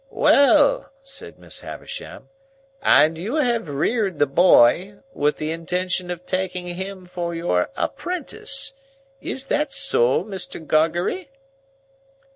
"Well!" said Miss Havisham. "And you have reared the boy, with the intention of taking him for your apprentice; is that so, Mr. Gargery?"